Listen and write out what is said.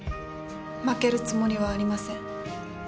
負けるつもりはありません。